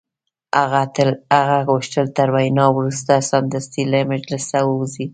هغه غوښتل تر وینا وروسته سمدستي له مجلسه ووځي